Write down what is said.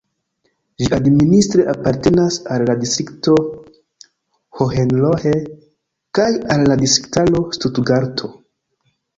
Ĝi administre apartenas al la distrikto Hohenlohe kaj al la distriktaro Stutgarto.